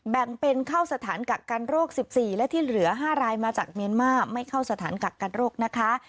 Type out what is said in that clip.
แบ่งเป็นเข้าสถานกักกันโรค๑๔และที่เหลือ๕รายมาจากเมียนมาร์ไม่เข้าสถานกักกันโรคนะคะ